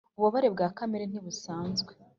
ububabare bwa kamere ntibusanzwe!